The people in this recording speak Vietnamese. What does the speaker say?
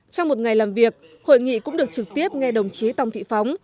trong một ngày làm việc hội nghị cũng được trực tiếp nghe đồng chí tòng thị phóng